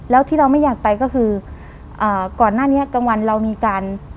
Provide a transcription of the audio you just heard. แล้วที่เราไม่อยากไปก็คืออ่าก่อนหน้านี้กลางวันเรามีการ